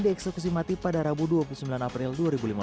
dieksekusi mati pada rabu dua puluh sembilan april dua ribu lima belas